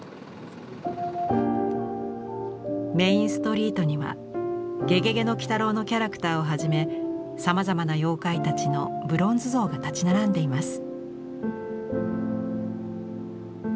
メインストリートには「ゲゲゲの鬼太郎」のキャラクターをはじめさまざまな妖怪たちのブロンズ像が立ち並んでいます。